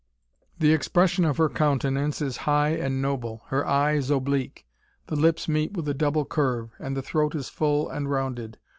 The expression of her countenance is high and noble. Her eye is oblique. The lips meet with a double curve, and the throat is full and rounded.